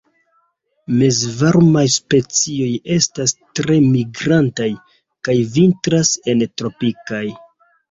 Mezvarmaj specioj estas tre migrantaj, kaj vintras en tropikoj.